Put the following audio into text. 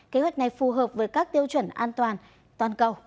kế hoạch này phù hợp với các tiêu chuẩn an toàn toàn cầu